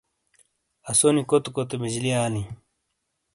اسونی کوتے کوتے بجلی آلی۔